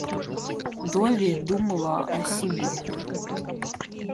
Долли думала о себе.